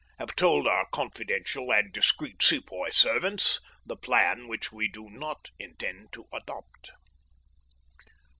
Have told our confidential and discreet Sepoy servants the plan which we do not intend to adopt.